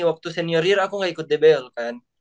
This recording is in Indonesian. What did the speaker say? waktu senior aku gak ikut dbl kan